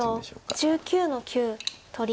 白１９の九取り。